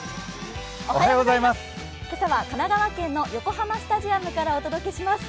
今朝は神奈川県の横浜スタジアムからお届けします。